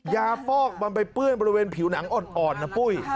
ฟอกมันไปเปื้อนบริเวณผิวหนังอ่อนนะปุ้ย